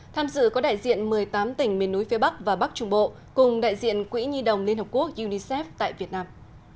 tham dự có đại diện một mươi tám tỉnh miền núi phía bắc và bắc trung bộ cùng đại diện quỹ nhi đồng liên hợp quốc unicef tại việt nam